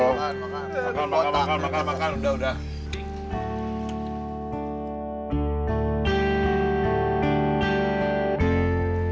makan makan makan udah udah